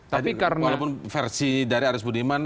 tapi walaupun versi dari aris budiman